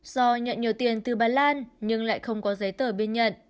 do nhận nhiều tiền từ bà lan nhưng lại không có giấy tờ biên nhận